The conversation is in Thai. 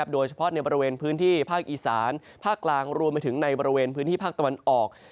โดยเฉพาะในบริเวณพื้นที่ภาคอีสานภาคกลางรวมไปถึงในบริเวณพื้นที่ภาคตะวันออก